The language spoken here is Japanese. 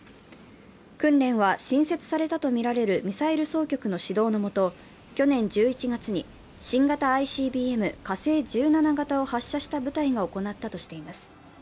訓練は新設されたとみられるミサイル総局の指導のもと、去年１１月に新型ＩＣＢＭ、火星１７型を発射した部隊が行ったとしています。